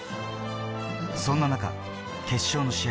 そんな中、決勝の試合